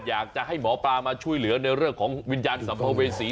อยากจะให้หมอปลามาช่วยเหลือในเรื่องของวิญญาณสัมภเวษี